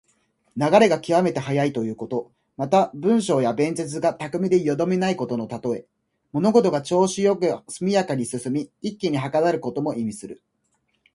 流れが極めて速いということ。また、文章や弁舌が巧みでよどみのないことのたとえ。物事が調子良く速やかに進み、一気にはかどることも意味する。